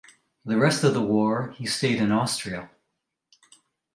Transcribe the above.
The rest of the war he stayed in Austria.